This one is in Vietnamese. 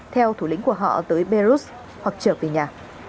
theo thủ lĩnh của họ tới belarus hoặc trở về nhà